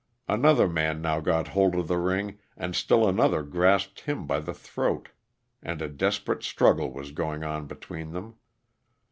Another man now got hold of the ring and still another grasped him by the throat and a desperate struggle was going on between them.